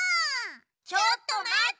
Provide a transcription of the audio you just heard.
ちょっとまって！